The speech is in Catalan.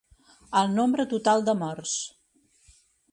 El nombre total de morts.